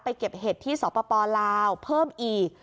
เก็บเห็ดที่สปลาวเพิ่มอีก